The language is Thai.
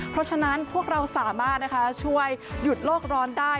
เพราะฉะนั้นพวกเราสามารถช่วยหยุดโลกร้อนได้